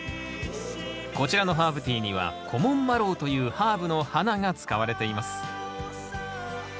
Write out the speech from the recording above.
こちらのハーブティーにはコモンマロウというハーブの花が使われています。